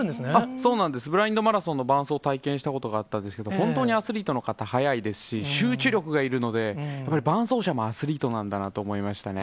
そうなんです、ブラインドマラソンの伴走を体験したことがあったんですけど、本当にアスリートの方、速いですし、集中力がいるので、伴走者もアスリートなんだなと思いましたね。